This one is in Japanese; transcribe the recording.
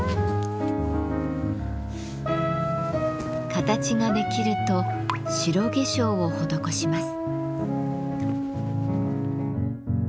形ができると白化粧を施します。